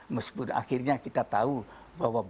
meskipun akhirnya kita tahu bahwa